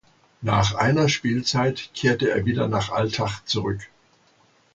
Nach einer Spielzeit kehrte er wieder nach Altach zurück.